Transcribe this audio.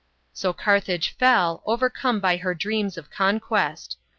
So Carthage fell, overcome by her dreams of conquest.